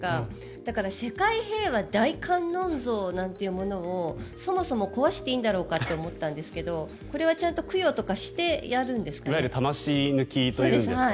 だから、世界平和大観音像なんていうものをそもそも壊していいんだろうかって思ったんですけどこれはちゃんと供養とかしてやるんですか？